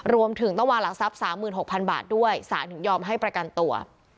รวมถึงต้องวางหลักทรัพย์๓๖๐๐๐บาทด้วยสารถึงยอมให้ประกันตัว